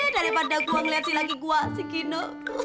daripada gue ngeliat si laki gue si gino